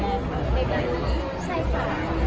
ในการที่ใส่ความรู้